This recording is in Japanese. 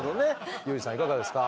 ユージさんいかがですか？